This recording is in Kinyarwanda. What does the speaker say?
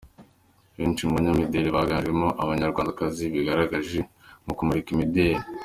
Benshi mu banyamideli biganjemo abanyarwandakazi bigaragaje mu kumurika imideli.